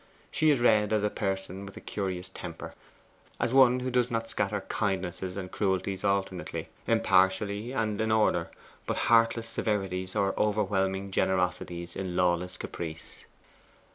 She is read as a person with a curious temper; as one who does not scatter kindnesses and cruelties alternately, impartially, and in order, but heartless severities or overwhelming generosities in lawless caprice.